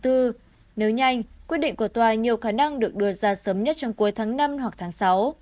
nếu nhanh quyết định của tòa nhiều khả năng được đưa ra sớm nhất trong cuối tháng năm hoặc tháng sáu